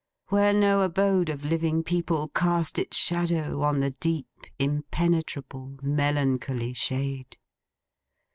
Where no abode of living people cast its shadow, on the deep, impenetrable, melancholy shade.